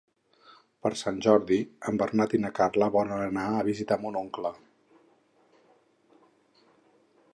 Per Sant Jordi en Bernat i na Carla volen anar a visitar mon oncle.